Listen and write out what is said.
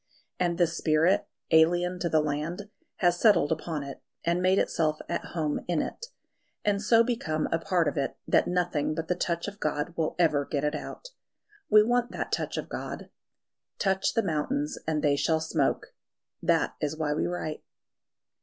... And this spirit, alien to the land, has settled upon it, and made itself at home in it, and so become a part of it that nothing but the touch of God will ever get it out. We want that touch of God: "Touch the mountains, and they shall smoke." That is why we write.